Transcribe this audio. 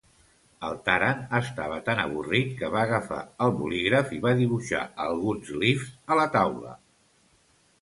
El Taran estava tan avorrit que va agafar el bolígraf i va dibuixar alguns glifs a la taula.